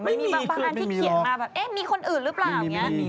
มันมีบางบ้านที่เขียนมาแบบเอ๊ะมีคนอื่นหรือเปล่าอย่างนี้